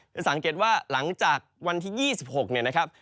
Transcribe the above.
จะสังเกตว่าหลังจากวันที่๒๖เนี่ยนะครับ